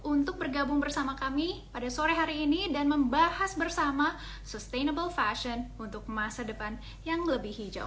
untuk bergabung bersama kami pada sore hari ini dan membahas bersama sustainable fashion untuk masa depan yang lebih hijau